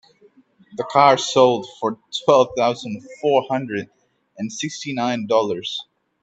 The car sold for twelve thousand four hundred and sixty nine Dollars.